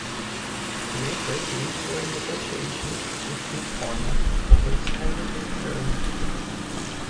In April, Leeds were in negotiations with McCormack over extending his current deal.